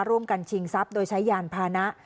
ร่วมกันชิงทรัพย์โดยใช้ยานพานะ